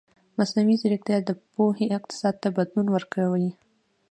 مصنوعي ځیرکتیا د پوهې اقتصاد ته بدلون ورکوي.